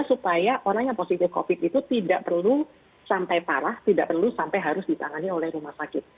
karena orang yang positif covid itu tidak perlu sampai parah tidak perlu sampai harus ditangani oleh rumah sakit